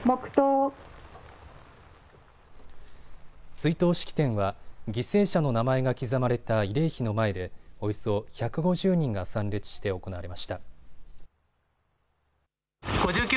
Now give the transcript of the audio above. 追悼式典は犠牲者の名前が刻まれた慰霊碑の前でおよそ１５０人が参列して行われました。